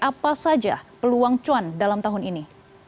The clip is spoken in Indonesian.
apa saja peluang cuan dalam tahun ini